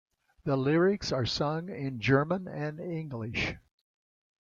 Their lyrics are sung in German and English.